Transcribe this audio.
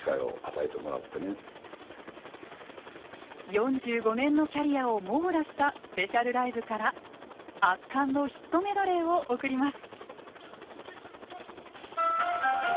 ４５年のキャリアを網羅したスペシャルライブから圧巻のヒットメドレーを送ります。